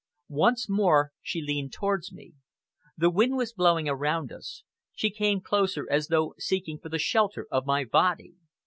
Once more she leaned towards me. The wind was blowing around us, she came closer as though seeking for the shelter of my body.